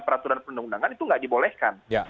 peraturan perundang undangan itu nggak dibolehkan